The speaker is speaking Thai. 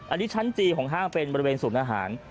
อันนี้ชั้นจีของห้างเป็นบริเวณศูนย์อาหาร